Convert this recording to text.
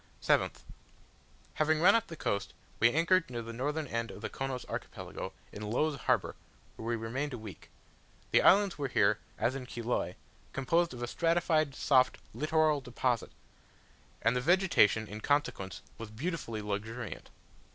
7th. Having run up the coast, we anchored near the northern end of the Chonos Archipelago, in Low's Harbour, where we remained a week. The islands were here, as in Chiloe, composed of a stratified, soft, littoral deposit; and the vegetation in consequence was beautifully luxuriant.